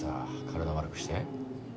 体悪くして。